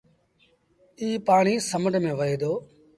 ايٚ پآڻي سمنڊ ميݩ وهي دو۔